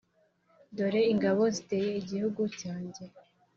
Dore ingabo ziteye igihugu cyanjye,